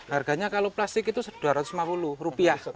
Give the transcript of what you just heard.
harganya kalau plastik itu rp dua ratus lima puluh